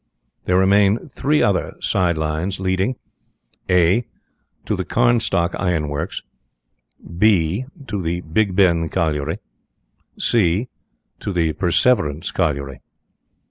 There remain three other side lines leading (a) To the Carnstock Iron Works; (b) To the Big Ben Colliery; (c) To the Perseverance Colliery.